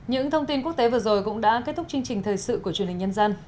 những thông tin quốc tế vừa rồi cũng đã kết thúc chương trình thời sự của truyền hình nhân dân